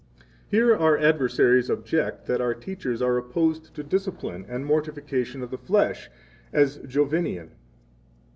30 Here our adversaries object that our teachers are opposed to discipline and mortification of the flesh, as Jovinian.